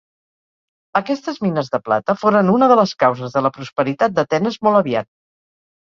Aquestes mines de plata foren una de les causes de la prosperitat d'Atenes molt aviat.